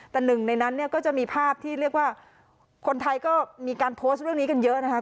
แต่หนึ่งในนั้นเนี่ยก็จะมีภาพที่เรียกว่าคนไทยก็มีการโพสต์เรื่องนี้กันเยอะนะคะ